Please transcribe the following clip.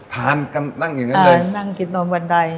ทานกันนั่งอย่างนั้นเลยนั่งกินนมบันได